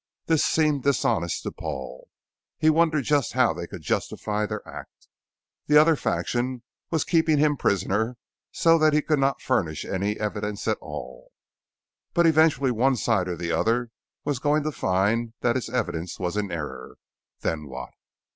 This seemed dishonest to Paul. He wondered just how they could justify their act. The other faction was keeping him prisoner so that he could not furnish any evidence at all. But eventually one side or the other was going to find that its evidence was in error. Then what?